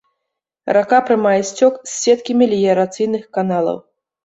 Рака прымае сцёк з сеткі меліярацыйных каналаў.